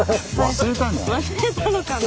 忘れたのかな。